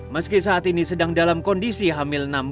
meski saat ini sedang dalam kondisi hamil enam